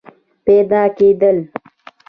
پیدا کېدل